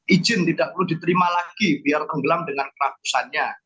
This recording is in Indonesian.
izin tidak perlu diterima lagi biar tenggelam dengan kerapusannya